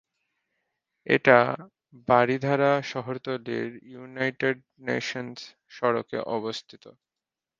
এটা বারিধারা শহরতলীর United Nations সড়কে অবস্থিত।